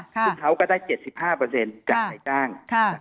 คุณเขาก็ได้๗๕จากในจ้าง